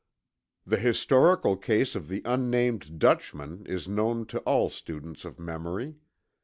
The historical case of the unnamed Dutchman is known to all students of memory.